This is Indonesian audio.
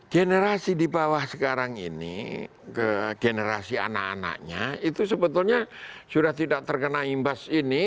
generasi di bawah sekarang ini generasi anak anaknya itu sebetulnya sudah tidak terkena imbas ini